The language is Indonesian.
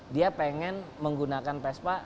dia pengen menggunakan vespa